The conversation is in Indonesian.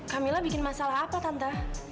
camilla bikin masalah apa tante